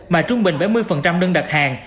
mà trung bình bảy mươi đơn đặt hàng